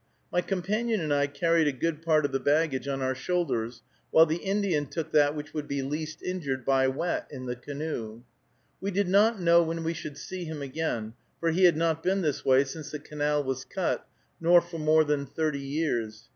My companion and I carried a good part of the baggage on our shoulders, while the Indian took that which would be least injured by wet in the canoe. We did not know when we should see him again, for he had not been this way since the canal was cut, nor for more than thirty years.